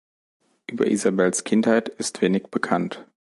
Über Isabelles Kindheit ist wenig bekannt.